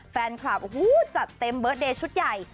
แฟนคลาบจัดเต็มเบิร์ทเดย์ชุดใหญ่